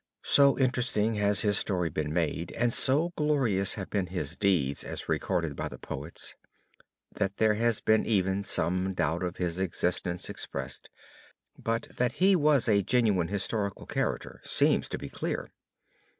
So interesting has his story been made, and so glorious have been his deeds as recorded by the poets, that there has been even some doubt of his existence expressed, but that he was a genuine historical character seems to be clear.